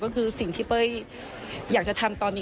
ก็คือสิ่งที่เป้ยอยากจะทำตอนนี้